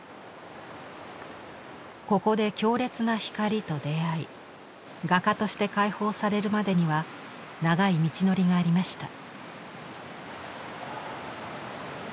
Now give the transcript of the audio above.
ここで強烈な光と出会い画家として解放されるまでには長い道のりがありました。